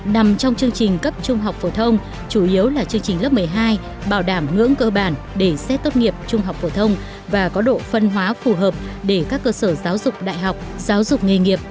nằm trong chương trình cấp trung học phổ thông chủ yếu là chương trình lớp một mươi hai bảo đảm ngưỡng cơ bản để xét tốt nghiệp trung học phổ thông và có độ phân hóa phù hợp để các cơ sở giáo dục đại học giáo dục nghề nghiệp